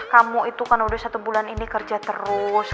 kamu itu kan udah satu bulan ini kerja terus